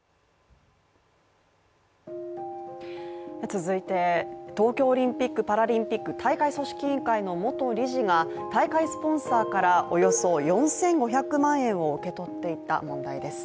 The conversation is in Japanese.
続いて、東京オリンピック・パラリンピック大会組織委員会の元理事が、大会スポンサーからおよそ４５００万円を受け取っていた問題です。